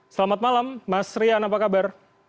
selamat malam mas rian apa kabar